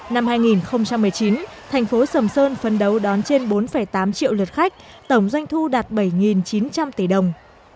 năm hai nghìn một mươi chín thành phố sầm sơn phấn đấu đón trên bốn tám triệu lượt khách tổng doanh thu đạt bảy chín trăm linh tỷ đồng